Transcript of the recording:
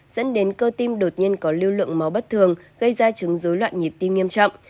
dẫn đến cơ tim đột nhân có lưu lượng máu bất thường gây ra chứng dối loạn nhịp tim nghiêm trọng